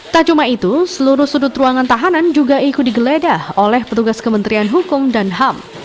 tak cuma itu seluruh sudut ruangan tahanan juga ikut digeledah oleh petugas kementerian hukum dan ham